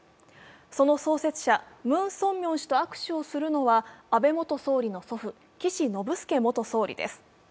その創設者、ムン・ソンミョン氏と握手をするのは、安倍元総理の祖父岸信介元総理です。